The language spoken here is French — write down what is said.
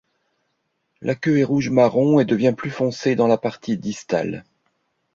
La queue est rouge-marron et devient plus foncée dans la partie distale.